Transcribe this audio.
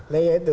nah ya itu